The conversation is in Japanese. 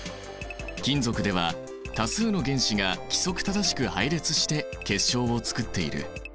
金属では多数の原子が規則正しく配列して結晶をつくっている。